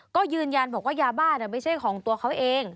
ก็ยืนยันบอกว่ายาบ้าไม่ใช่ของตัวเขาเอง